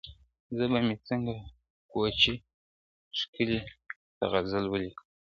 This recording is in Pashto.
زه به مي څنګه کوچۍ ښکلي ته غزل ولیکم ,